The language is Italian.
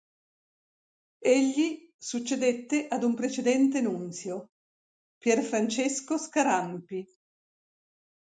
Egli succedette ad un precedente nunzio, Pierfrancesco Scarampi.